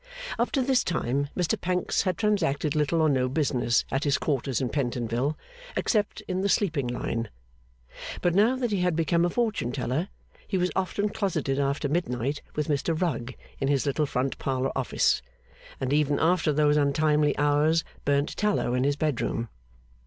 Up to this time, Mr Pancks had transacted little or no business at his quarters in Pentonville, except in the sleeping line; but now that he had become a fortune teller, he was often closeted after midnight with Mr Rugg in his little front parlour office, and even after those untimely hours, burnt tallow in his bed room.